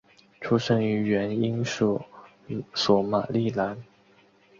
出生于原英属索马利兰。